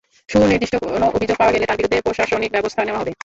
সুনির্দিষ্ট কোনো অভিযোগ পাওয়া গেলে তাঁর বিরুদ্ধে প্রশাসনিক ব্যবস্থা নেওয়া হবে।